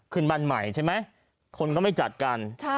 ขึ้นบ้านใหม่ใช่ไหมคนก็ไม่จัดกัน